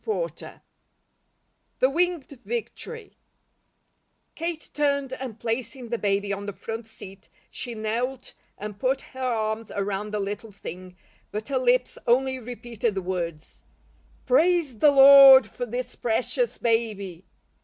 CHAPTER XXVI THE WINGED VICTORY KATE turned and placing the baby on the front seat, she knelt and put her arms around the little thing, but her lips only repeated the words: "Praise the Lord for this precious baby!"